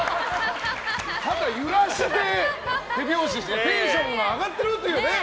肩揺らして手拍子してテンションが上がっているというね。